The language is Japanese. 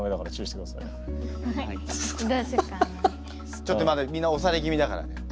ちょっとまだみんなおされ気味だからね。